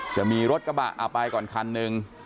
จะมีรถกระบะเอาไปก่อนคันหนึ่ง